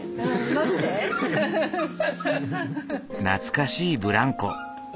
懐かしいブランコ。